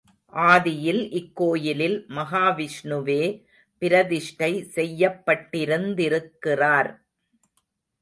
ஆதியில் இக்கோயிலில் மகாவிஷ்ணுவே பிரதிஷ்டை செய்யப்பட்டிருந்திருக்கிறார்.